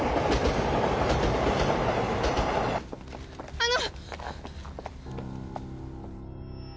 あの！